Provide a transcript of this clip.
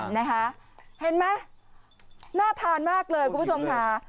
นะคะเห็นไหมน่าทานมากเลยคุณผู้ชมค่ะ